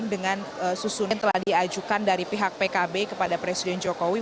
dengan susun yang telah diajukan dari pihak pkb kepada presiden jokowi